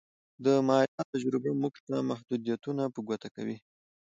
د مایا تجربه موږ ته محدودیتونه په ګوته کوي